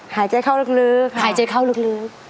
หายใจเข้าลึกครับ